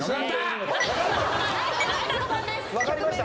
分かりました？